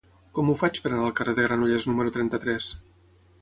Com ho faig per anar al carrer de Granollers número trenta-tres?